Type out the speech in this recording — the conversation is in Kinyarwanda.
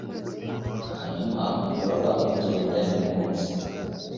hanyuma muraba mugenda nimunsi